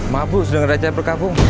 maaf bu sudah ngeracai perkabung